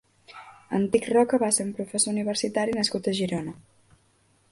Antic Roca va ser un professor Universitari nascut a Girona.